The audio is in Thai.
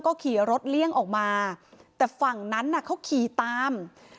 ก็ขี่รถเลี่ยงออกมาแต่ฝั่งนั้นน่ะเขาขี่ตาม